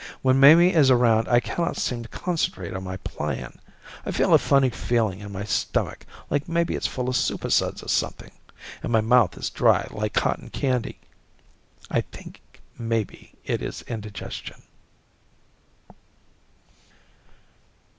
When Mamie is around I cannot seem to concentrate on my playing. I feel a funny feeling in my stomach, like maybe it is full of supersuds or something, and my mouth is dry like cotton candy. I think maybe it is indigestion.